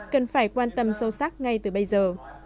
cần phải quan tâm sâu sắc ngay từ bây giờ